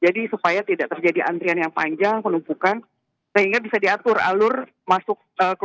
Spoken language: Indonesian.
jadi supaya tidak terjadi antrian yang panjang penumpukan nah itu jadi supaya tidak terjadi antrian yang panjang penumpukan nah itu